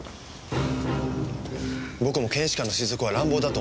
僕も検視官の推測は乱暴だと思います。